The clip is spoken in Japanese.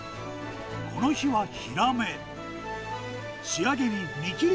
この日はヒラメ。